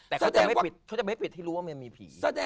แต่เค้าจะไม่ปิดที่รู้ว่ามันมีผี